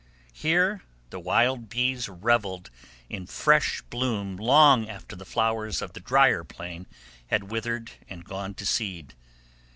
Here the wild bees reveled in fresh bloom long after the flowers of the drier plain had withered and gone to seed.